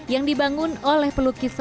yang dibangun oleh pelukis raden fadli